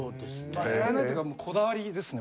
寝れないっていうかこだわりですね。